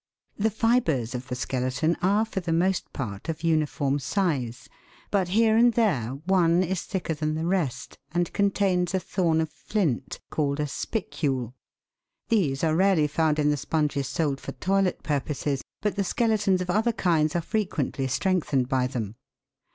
The fibres of the skeleton are, for the most part, of uniform size, but here and there one is thicker than the rest, and contains a thorn of flint, called a " spicule." These are rarely found in the sponges sold for toilet pur poses, but the skeletons of other kinds are frequently strengthened by them.